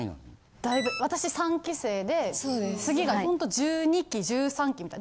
だいぶ私３期生で次が１２期１３期みたいな。